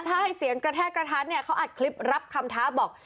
ใช่เสียงกระแทกกระทัดเนี่ยเขาอัดคลิปรับคำท้าบอก